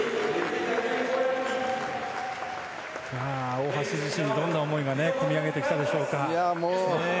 大橋自身どんな思いが込み上げてきたでしょうか。